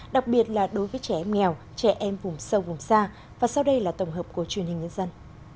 đặc biệt là đối với trẻ em nghèo trẻ em vùng sâu vùng xa và sau đây là tổng hợp của truyền hình nhân dân